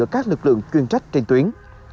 các lực lượng chuyên trách trên tuyến